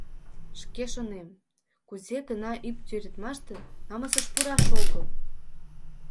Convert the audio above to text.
Шке шонем: кузе гына ӱп тӱредмаште намысыш пураш огыл?